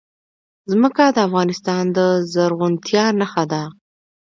ځمکه د افغانستان د زرغونتیا نښه ده.